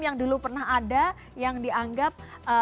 yang dulu pernah ada yang dianggap